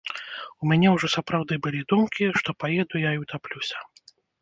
У мяне ўжо сапраўды былі думкі, што паеду я і ўтаплюся.